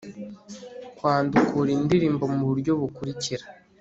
kwandukura indirimbo mu buryo bukurikira